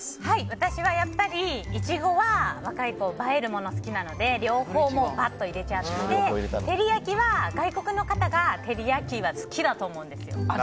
私はやっぱりいちごは若い子は映えるものが好きなので両方入れちゃっててりやきは外国の方が好きだと思うんですよ。